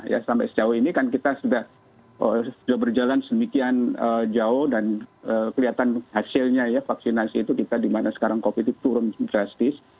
ya sampai sejauh ini kan kita sudah berjalan sedemikian jauh dan kelihatan hasilnya ya vaksinasi itu kita dimana sekarang covid itu turun drastis